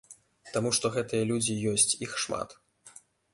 Таму што гэтыя людзі ёсць, іх шмат.